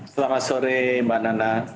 selamat sore mbak nana